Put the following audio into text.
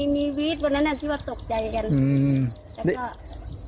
มีวีทว์วันนั้นที่ว่าตกใจกัน